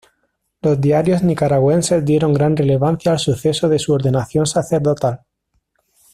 Los diarios nicaragüenses dieron gran relevancia al suceso de su ordenación sacerdotal.